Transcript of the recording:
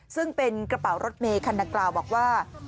ซึ่งเป็นกระเป๋ารถเมคันดังกล่าวบอกว่า